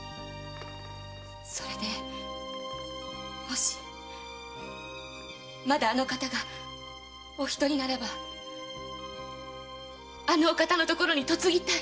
それでもしまだあのお方がお独りならばあのお方のところに嫁ぎたい。